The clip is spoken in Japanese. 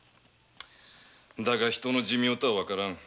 だが人の寿命は分からぬ。